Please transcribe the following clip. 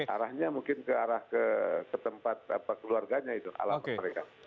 arahnya mungkin ke arah ke tempat keluarganya itu alamat mereka